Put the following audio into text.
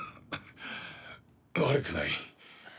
悪くない。